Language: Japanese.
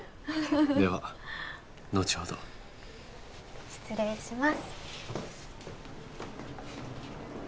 ではのちほど失礼します